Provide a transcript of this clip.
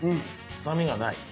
臭みがない。